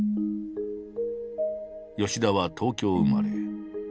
吉田は東京生まれ。